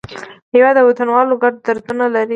هېواد د وطنوالو ګډ دردونه لري.